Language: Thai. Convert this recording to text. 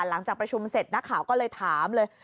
หลังจากประชุมเสร็จนักข่าวก็เลยถามเลย